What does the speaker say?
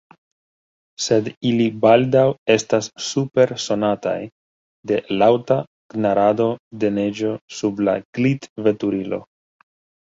Sed ili baldaŭ estas supersonataj de laŭta knarado de neĝo sub la glitveturilo.